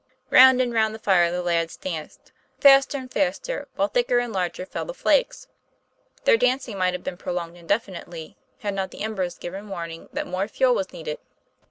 Round and round the fire the lads danced, faster and faster, while thicker and larger fell the flakes. Their dancing might have been prolonged indefinitely, TOM PL A YFAIR. 227 had not the embers given warning that more fuel was needed.